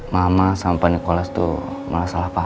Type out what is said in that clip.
mama sama pak nicholas tuh malah salah paham